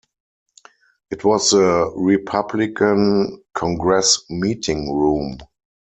It was the Republican Congress meeting room.